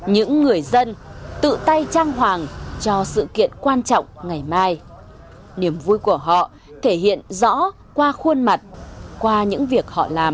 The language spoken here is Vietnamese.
những người dân tự tay trang hoàng cho sự kiện quan trọng ngày mai niềm vui của họ thể hiện rõ qua khuôn mặt qua những việc họ làm